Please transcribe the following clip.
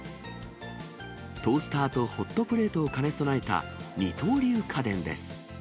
トースターとホットプレートを兼ね備えた、二刀流家電です。